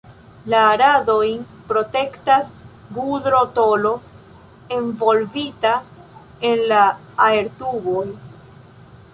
La radojn protektas gudro-tolo, envolvita en la aertuboj.